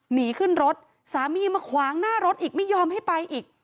หนีขึ้นรถสามีมาขวางหน้ารถอีกไม่ยอมให้ไปอีก